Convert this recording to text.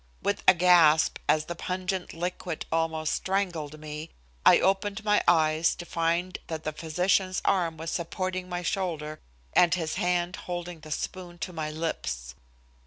With a gasp as the pungent liquid almost strangled me, I opened my eyes to find that the physician's arm was supporting my shoulder and his hand holding the spoon to my lips.